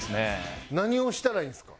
何をしたらいいんですか？